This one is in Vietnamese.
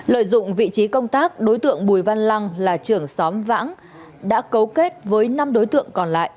lợi dụng vị trí công tác đối tượng bùi văn lăng là trưởng xóm vãng đã cấu kết với năm đối tượng còn lại